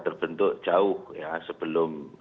terbentuk jauh sebelum